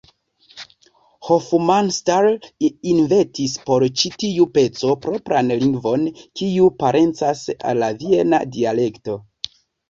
Hofmannsthal inventis por ĉi tiu peco propran lingvon, kiu parencas al la viena dialekto.